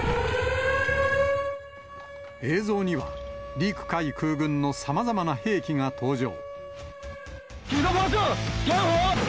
映像には、陸海空軍のさまざまな兵器が登場。